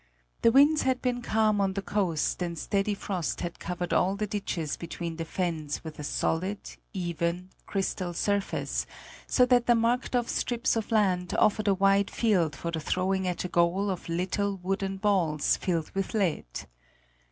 The winds had been calm on the coast and steady frost had covered all the ditches between the fens with a solid, even, crystal surface, so that the marked off strips of land offered a wide field for the throwing at a goal of little wooden balls filled with lead.